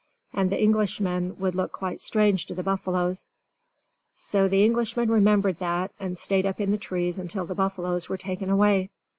And the Englishmen would look quite strange to the buffaloes. So the Englishmen remembered that, and stayed up in the trees till the buffaloes were taken away.